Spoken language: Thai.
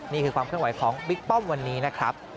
นี่คือความเคลื่อนไหวของบิ๊กป้อมวันนี้นะครับ